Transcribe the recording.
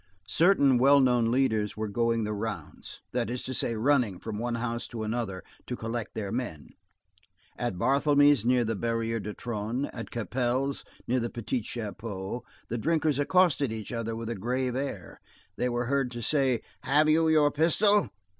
Certain well known leaders were going the rounds, that is to say, running from one house to another, to collect their men. At Barthélemy's, near the Barrière du Trône, at Capel's, near the Petit Chapeau, the drinkers accosted each other with a grave air. They were heard to say: "Have you your pistol?"